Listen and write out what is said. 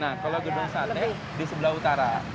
nah kalau gedung sate di sebelah utara